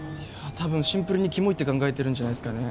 多分、シンプルにキモいって考えてるんじゃないすかね？